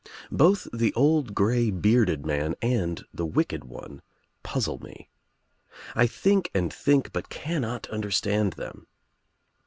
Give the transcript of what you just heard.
Both the old grey bearded man and the wicked one puzzle me. I think and think but cannot understand them.